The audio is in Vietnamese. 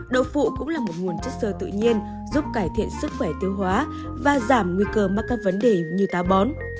đậu phụ cũng là một nguồn chất sơ tự nhiên giúp cải thiện sức khỏe tiêu hóa và giảm nguy cơ mắc các vấn đề như táo bón